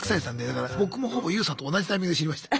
だから僕もほぼＹＯＵさんと同じタイミングで知りました。